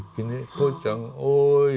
「とうちゃんおい」。